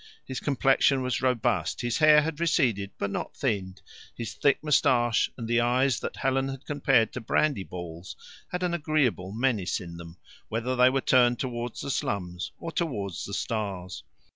His complexion was robust, his hair had receded but not thinned, the thick moustache and the eyes that Helen had compared to brandy balls had an agreeable menace in them, whether they were turned towards the slums or towards the stars.